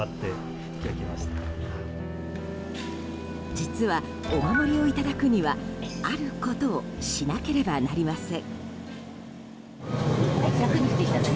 実は、お守りをいただくにはあることをしなければなりません。